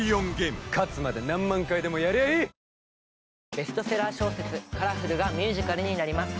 ベストセラー小説「カラフル」がミュージカルになります